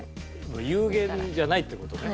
有限じゃないって事ね。